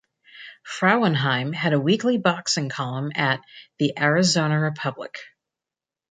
Frauenheim had a weekly boxing column at "The Arizona Republic".